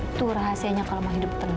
itu rahasianya kalau mau hidup tenang